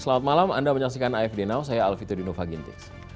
selamat malam anda menyaksikan afd now saya alfitur dino fagintis